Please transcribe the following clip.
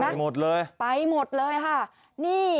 ไปหมดเลยไปหมดเลยค่ะนี่